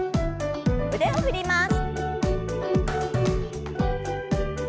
腕を振ります。